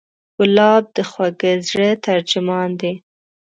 ګلاب د خوږه زړه ترجمان دی.